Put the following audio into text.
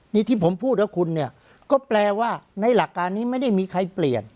นี่ที่ผมพูดกับคุณเนี่ยก็แปลว่าในหลักการนี้ไม่ได้มีใครเปลี่ยน